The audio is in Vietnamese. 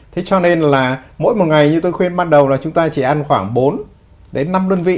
thế cho nên là mỗi một ngày như tôi khuyên ban đầu là chúng ta chỉ ăn khoảng bốn đến năm đơn vị